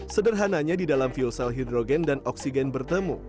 sederhananya di dalam fuel cell hidrogen dan oksigen bertemu